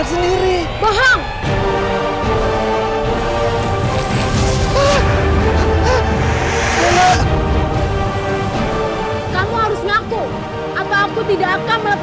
aku naik ke luar frank